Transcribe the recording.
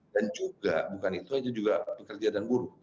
dan juga bukan itu saja juga pekerja dan guru